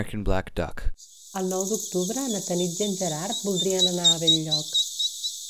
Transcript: El nou d'octubre na Tanit i en Gerard voldrien anar a Benlloc.